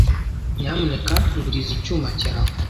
Nyamuneka nguriza icyuma cyawe.